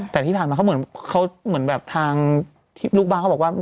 แต่ที่ผ่านมาเขาเหมือนทางลูกบ้านเขาบอกว่า